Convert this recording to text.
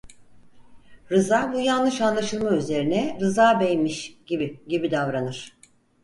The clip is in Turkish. Rıza bu yanlış anlaşılma üzerine "Rıza Bey"miş gibi gibi davranır.